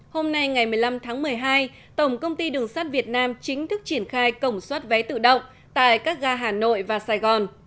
hôm nay ngày một mươi năm tháng một mươi hai tổng công ty đường sắt việt nam chính thức triển khai cổng soát vé tự động tại các ga hà nội và sài gòn